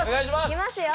いきますよ。